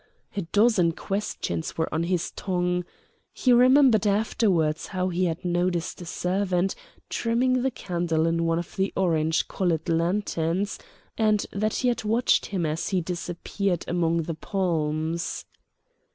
A dozen questions were on his tongue. He remembered afterwards how he had noticed a servant trimming the candle in one of the orange colored lanterns, and that he had watched him as he disappeared among the palms.